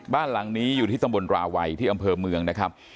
บ้านหลังนี้อยู่ที่ตำบลราวัยที่อำเภอเมืองนะครับ